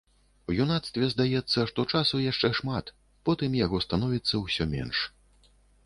У юнацтве здаецца, што часу яшчэ шмат, потым яго становіцца ўсё менш.